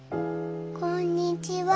こんにちは。